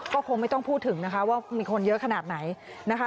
ก็คงไม่ต้องพูดถึงนะคะว่ามีคนเยอะขนาดไหนนะคะ